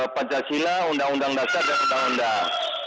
pancasila undang undang dasar dan undang undang